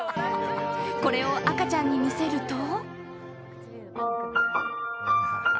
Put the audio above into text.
これを赤ちゃんに見せると。